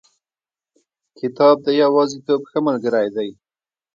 کتاب د یوازیتوب ښه ملګری دی.